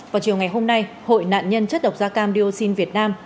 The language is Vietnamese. vào chiều ngày hôm nay hội nạn nhân chất độc da cam dioxin việt nam